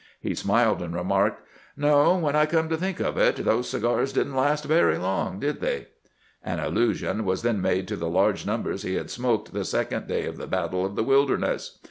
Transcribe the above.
He smiled, and remarked :" No ; when I come to think of it, those cigars did n't last very long, did they ?" An allusion was then made to the large number he had smoked the second day of the battle of the Wilderness.